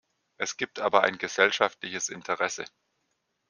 Es gibt aber ein gesellschaftliches Interesse.